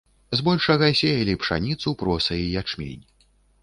Збольшага сеялі пшаніцу, проса і ячмень.